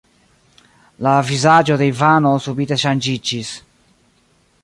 La vizaĝo de Ivano subite ŝanĝiĝis.